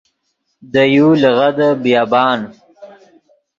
دے یو لیغدے بیابان